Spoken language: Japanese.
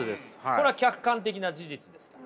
これは客観的な事実ですから。